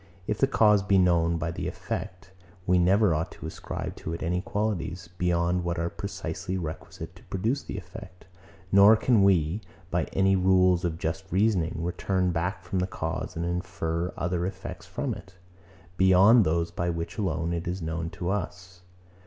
If the cause be known only by the effect, we never ought to ascribe to it any qualities, beyond what are precisely requisite to produce the effect: Nor can we, by any rules of just reasoning, return back from the cause, and infer other effects from it, beyond those by which alone it is known to us.